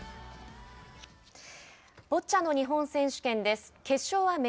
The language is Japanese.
ボッチャの日本選手権です。